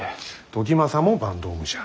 時政も坂東武者。